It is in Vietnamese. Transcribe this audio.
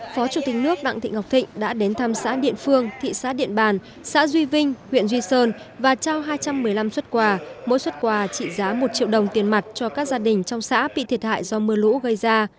phó chủ tịch nước đặng thị ngọc thịnh đã đến thăm xã điện phương thị xã điện bàn xã duy vinh huyện duy sơn và trao hai trăm một mươi năm xuất quà mỗi xuất quà trị giá một triệu đồng tiền mặt cho các gia đình trong xã bị thiệt hại do mưa lũ gây ra